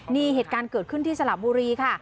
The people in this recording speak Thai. นี่เหตุการณ์เกิดขึ้นที่สระบุรีค่ะ